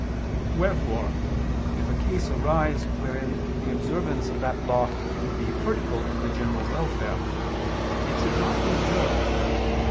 Wherefore if a case arise wherein the observance of that law would be hurtful to the general welfare, it should not be observed.